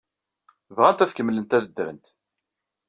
Bɣant ad kemmlent ad ddrent.